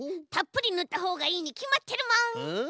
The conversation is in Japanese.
たっぷりぬったほうがいいにきまってるもん。